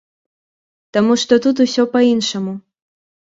Таму што тут усё па-іншаму.